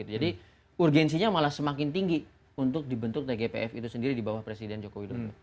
jadi urgensinya malah semakin tinggi untuk dibentuk tgpf itu sendiri di bawah presiden joko widodo